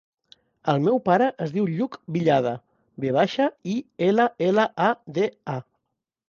El meu pare es diu Lluc Villada: ve baixa, i, ela, ela, a, de, a.